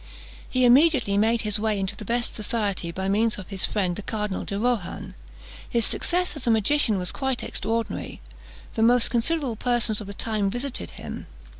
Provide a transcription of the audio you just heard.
He immediately made his way into the best society by means of his friend the Cardinal de Rohan. His success as a magician was quite extraordinary: the most considerable persons of the time visited him.